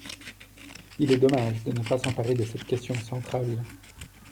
Il est dommage de ne pas s’emparer de cette question centrale.